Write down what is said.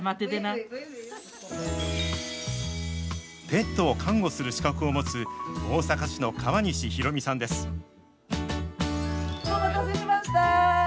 ペットを看護する資格を持つ、お待たせしました。